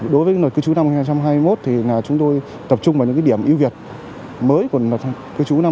đối với luật cư trú năm hai nghìn hai mươi một thì chúng tôi tập trung vào những cái điểm ưu việt mới của luật cư trú năm hai nghìn hai mươi một